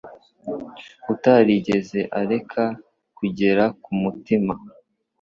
utarigeze areka kugera kumutima